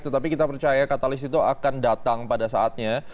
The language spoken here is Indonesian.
tetapi kita percaya katalis itu akan datang pada saatnya